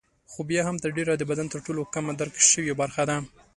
خو بیا هم تر ډېره د بدن تر ټولو کمه درک شوې برخه ده.